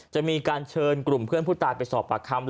จะมีการเชิญกลุ่มเพื่อนผู้ตายไปสอบปากคำ